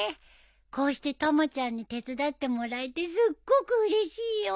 こうしてたまちゃんに手伝ってもらえてすっごくうれしいよ。